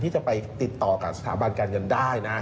ที่จะไปติดต่อกับสถาบันการเงินได้นะ